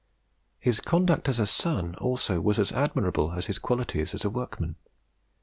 His conduct as a son, also, was as admirable as his qualities as a workman.